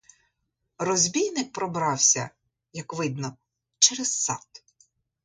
Розбійник пробрався, як видно, через сад.